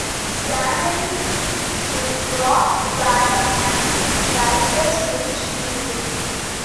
Its deanery is Wrockwardine and its Diocese Lichfield.